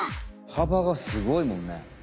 はばがすごいもんね。